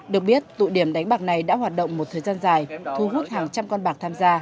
được biết tụ điểm đánh bạc này đã hoạt động một thời gian dài thu hút hàng trăm con bạc tham gia